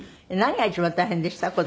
何が一番大変でした？